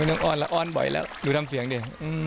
ไม่ต้องอ้อนละอ้อนบ่อยละดูทำเสียงดิ